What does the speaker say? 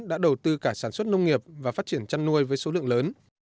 đã đầu tư cả sản xuất nông nghiệp và phát triển chăn nuôi với số lượng lớn